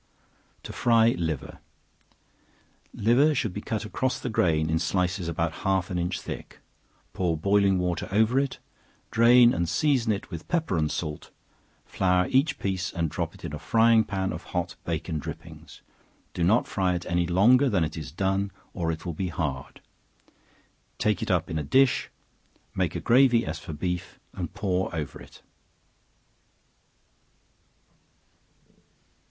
To Fry Liver. Liver should be cut across the grain in slices about half an inch thick; pour boiling water over it, drain and season it with pepper and salt; flour each piece and drop it in a frying pan of hot bacon drippings; do not fry it any longer than it is done, or it will he hard; take it up in a dish, make gravy as for beef, and pour over it.